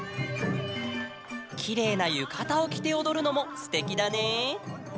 きれいなゆかたをきておどるのもすてきだね。